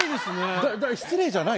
失礼じゃない？